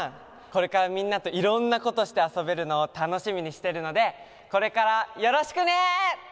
これからみんなといろんなことしてあそべるのをたのしみにしてるのでこれからよろしくね！